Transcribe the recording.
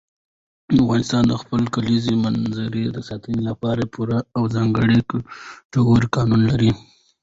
افغانستان د خپلو کلیزو منظره د ساتنې لپاره پوره او ځانګړي ګټور قوانین لري.